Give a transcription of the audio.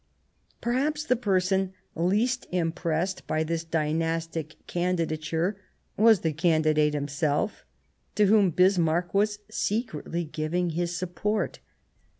Perhaps the person least impressed by this dynastic candidature was the candidate himself, to whom Bismarck was secretly giving his support.